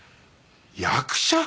「役者！？」。